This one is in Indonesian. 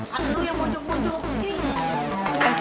kan lo yang mojok mojok sih